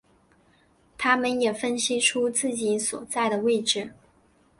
他们也分析出自己所在的位置。